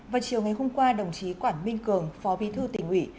vào chiều ngày hôm qua đồng chí quảng minh cường phó vi thư tỉnh ủy